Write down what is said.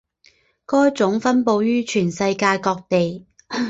该种分布于全世界各地。